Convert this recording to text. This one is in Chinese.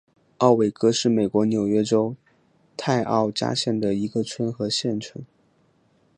奥韦戈是美国纽约州泰奥加县的一个村和县城。